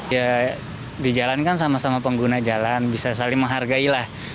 ya di jalan kan sama sama pengguna jalan bisa saling menghargai lah